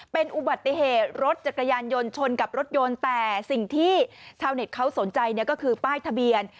เป็นอุบัติเหตุรถจักรยานยนต์ชนกับรถยนต์แต่สิ่งที่ชาวเน็ตเขาสนใจเนี่ยก็คือป้ายทะเบียน